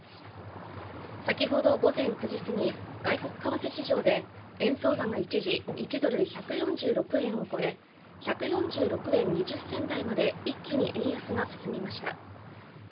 先ほど午前９時過ぎ外国為替市場で円相場が一時、１ドル＝１４６円を超え１４６円２０銭台まで一気に円安が進みました。